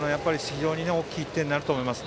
非常に大きい１点になると思います。